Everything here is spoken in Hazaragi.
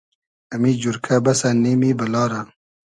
امی جورکۂ بئسۂ نیمی بئلا رۂ